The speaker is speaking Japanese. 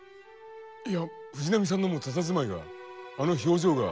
いや藤波さんのもうたたずまいが。